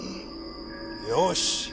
よし！